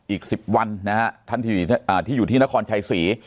อีก๑๐วันนะฮะท่านที่อยู่ที่นครชัยศรี